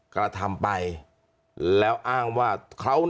การธรรมไปแล้วอ้างว่า